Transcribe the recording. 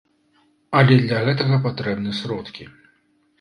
Але для гэтага патрэбны сродкі.